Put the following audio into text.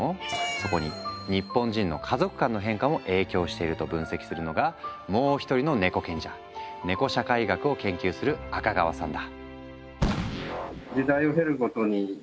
そこに日本人の家族観の変化も影響していると分析するのがもう一人のネコ賢者ネコ社会学を研究する赤川さんだ。